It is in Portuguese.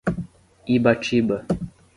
Ibatiba